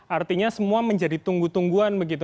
artinya semua menjadi tunggu tungguan begitu